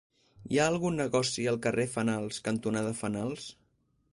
Hi ha algun negoci al carrer Fenals cantonada Fenals?